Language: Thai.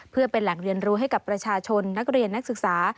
เพื่อเป็นแหล่งเรียนรู้ให้กับประชาชนนักเรียนนักศึกษา